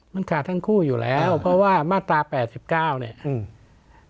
มันขาดทั้งคู่อยู่แล้วเพราะว่ามาตราแปดสิบเก้าเนี้ยอืม